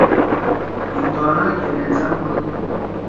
ہِندوانا گھینیل سم ہودُو۔